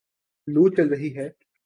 لوُ چل رہی ہے